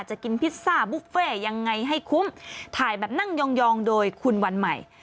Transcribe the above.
จะกินพิซซ่าบุฟเฟ่ยังไงให้คุ้มถ่ายแบบนั่งยองโดยคุณวันใหม่